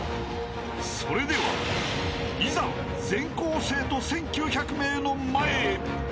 ［それではいざ全校生徒１，９００名の前へ］